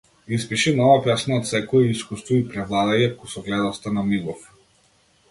Испиши нова песна од секое искуство и превладај ја кусогледоста на мигов.